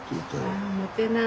あモテな。